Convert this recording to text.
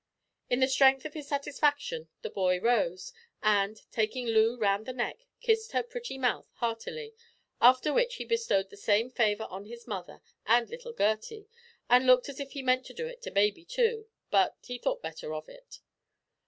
In the strength of his satisfaction the boy rose, and, taking Loo round the neck, kissed her pretty mouth heartily, after which he bestowed the same favour on his mother and little Gertie, and looked as if he meant to do it to baby too, but he thought better of it.